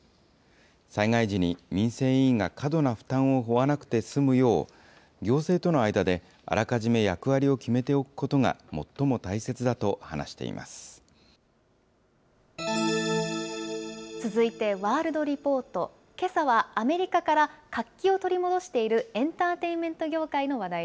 災害時に民生委員が過度な負担を負わなくて済むよう、行政との間であらかじめ役割を決めておくことが最も大切だと話し続いてワールドリポート、けさはアメリカから、活気を取り戻しているエンターテインメント業